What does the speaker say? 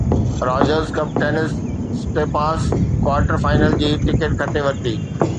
Rogers cup tennis سٽيپاس quarter final جي ticket کٽي ورتي